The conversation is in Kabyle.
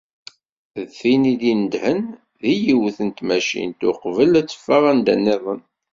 D tin i d-inedhen deg yiwet n tmacint, uqbel ad teffeɣ anda-nniḍen.